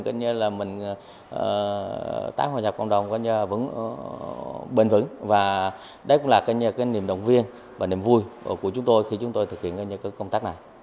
có cái quá trình mình tác hòa nhập cộng đồng vẫn bền vững và đấy cũng là cái niềm động viên và niềm vui của chúng tôi khi chúng tôi thực hiện những cái công tác này